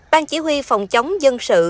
bàn chỉ huy phòng chống dân sự